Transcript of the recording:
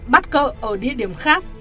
bắt cỡ ở địa điểm khác